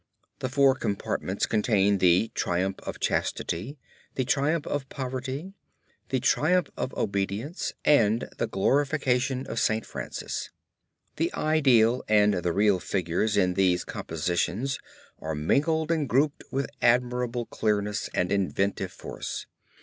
The four compartments contain the Triumph of Chastity, the Triumph of Poverty, the Triumph of Obedience, and the Glorification of St. Francis. The ideal and the real figures in these compositions are mingled and grouped with admirable clearness and inventive force.